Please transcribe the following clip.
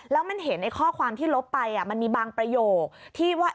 แล้วมันเห็นข้อความที่ลบไปมันมีบางประโยคที่ว่า